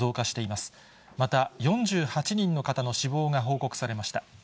また４８人の方の死亡が報告されました。